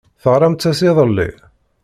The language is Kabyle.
Teɣramt-as iḍelli?